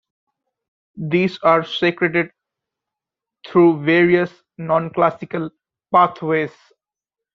These are secreted through various nonclassical pathways.